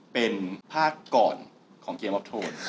เป็นภาคก่อนของเกมรับโทษ